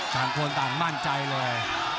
ต่างคนต่างมั่นใจเลย